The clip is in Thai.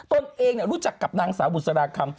ตนเองรู้จักกับนางสาวบุษราคำ